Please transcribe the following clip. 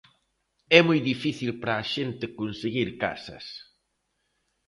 É moi difícil para a xente conseguir casas.